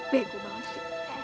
bego banget sih